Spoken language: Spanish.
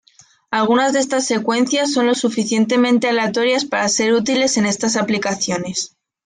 Algunas de estas secuencias son lo suficientemente aleatorias para ser útiles en estas aplicaciones.